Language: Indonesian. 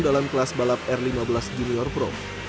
dalam kelas balap r lima belas junior pro